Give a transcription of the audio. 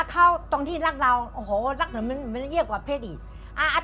เข้าตรงที่รักเราโอ้โหรักเหมือนมันเงียบกว่าเพศอีก